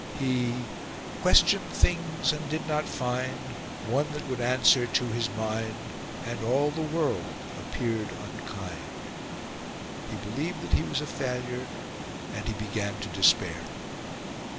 He "questioned things, and did not find One that would answer to his mind; And all the world appeared unkind." He believed that he was a failure and he began to despair.